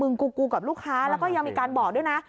กูกับลูกค้าแล้วก็ยังมีการบอกด้วยนะ